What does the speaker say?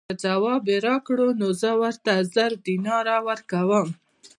که ځواب یې راکړ نو زه ورته زر دیناره ورکووم.